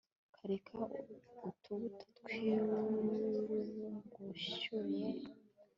kakera utubuto twiburungushuye